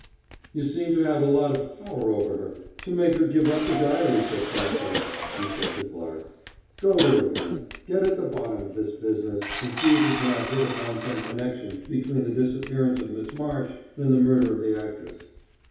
"You seem to have a lot of power over her to make her give up the diary so promptly," he said to Clarke. "Go to her, then, get at the bottom of this business, and see if you cannot hit upon some connection between the disappearance of Miss Marsh and the murder of the actress."